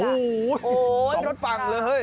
โอ้โฮทั้งสองฝั่งเลยเฮ้ย